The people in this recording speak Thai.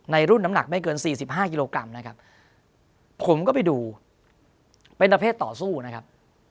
รุ่นน้ำหนักไม่เกิน๔๕กิโลกรัมนะครับผมก็ไปดูเป็นประเภทต่อสู้นะครับ